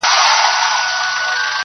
خو آواز یې لا خپل نه وو آزمېیلی!.